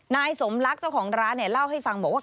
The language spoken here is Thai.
นายสมรักเจ้าของร้านเล่าให้ฟังบอกว่า